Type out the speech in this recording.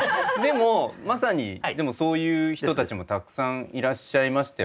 でもまさにそういう人たちもたくさんいらっしゃいましたよね。